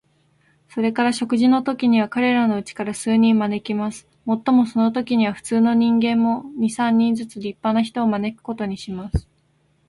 それから食事のときには、彼等のうちから数人招きます。もっともそのときには、普通の人間も、二三人ずつ立派な人を招くことにします。